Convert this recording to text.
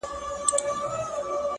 هره هڅه د هویت برخه ګرځي